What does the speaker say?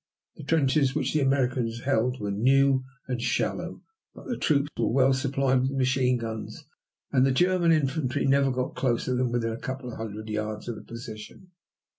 The trenches which the Americans held were new and shallow, but the troops were well supplied with machine guns, and the German infantry never got closer than within a couple of hundred yards of the position.